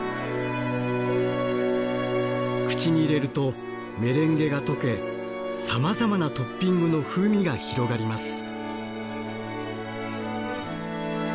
口に入れるとメレンゲが溶けさまざまなトッピングの風味が広がります。